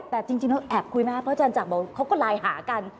แต่จริงแล้วแอบคุยไหมครับเพราะอาจารย์จักรบอกเขาก็ไลน์หากัน